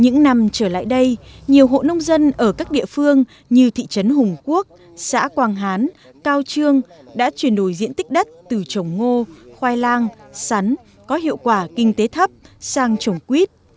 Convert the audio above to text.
những năm trở lại đây nhiều hộ nông dân ở các địa phương như thị trấn hùng quốc xã quang hán cao trương đã chuyển đổi diện tích đất từ trồng ngô khoai lang sắn có hiệu quả kinh tế thấp sang trồng quýt